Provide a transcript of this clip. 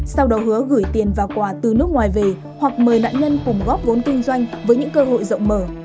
sau đó hứa gửi tiền vào quà từ nước ngoài về hoặc mời nạn nhân cùng góp vốn kinh doanh với những cơ hội rộng mở